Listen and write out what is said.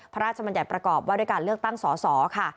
พระราชบัญญัติประกอบว่าด้วยการเลือกตั้งสอค่ะ